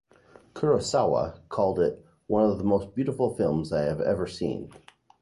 Kurosawa called it "one of the most beautiful films that I have ever seen".